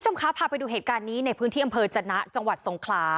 คุณผู้ชมคะพาไปดูเหตุการณ์นี้ในพื้นที่อำเภอจนะจังหวัดสงขลา